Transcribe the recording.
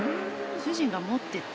「主人が持ってて」